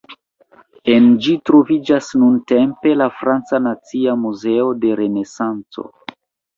En ĝi troviĝas nuntempe la "Franca Nacia Muzeo de Renesanco".